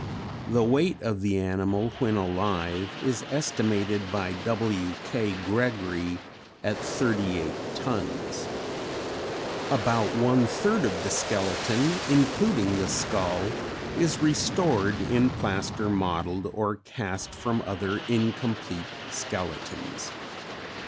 (The weight of the animal when alive is estimated by W.K. Gregory at 38 tons). About one third of the skeleton including the skull is restored in plaster modelled or cast from other incomplete skeletons.